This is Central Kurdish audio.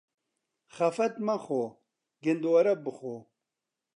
خەفەت مەخۆ، گندۆره بخۆ.